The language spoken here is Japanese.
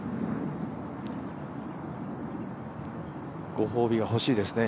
ご褒美が欲しいですね。